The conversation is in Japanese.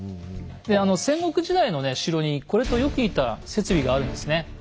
であの戦国時代の城にこれとよく似た設備があるんですね。